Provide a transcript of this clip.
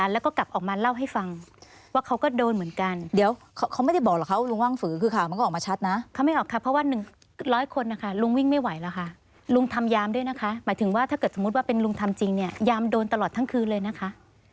ลุงวิ่งไม่ไหวแล้วค่ะลุงทำยามด้วยนะคะหมายถึงว่าถ้าเกิดสมมติว่าเป็นลุงทำจริงยามโดนตลอดทั้งคืนเลยนะคะ